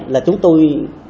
là chúng tôi